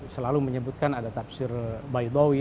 selalu menyebutkan ada tafsir bayu dawi